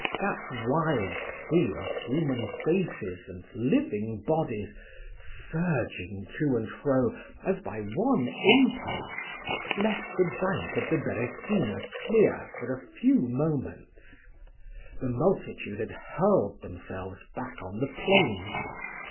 That wild sea of human faces and living bodies, surging to and fro as by one impulse, left the bank of the Beresina clear for a few moments. The multitude had hurled themselves back on the plain.